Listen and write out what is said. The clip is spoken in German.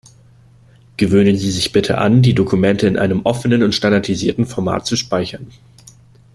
Gewöhnen Sie sich bitte an, die Dokumente in einem offenen und standardisierten Format zu speichern.